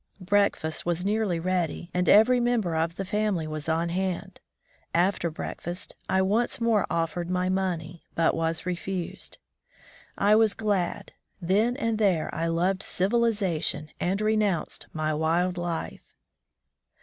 Breakfast was nearly ready, and every member of the family was on hand. After breakfast I once more offered my money, but was refused. I was glad. Then and there I loved civilization and renoimced my wild life.